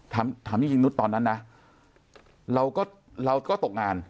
ถามจริงนุษย์ตอนนั้นนะเราก็เราก็ตกงาน